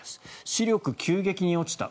視力、急激に落ちた。